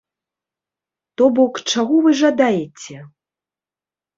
То бок, чаго вы жадаеце?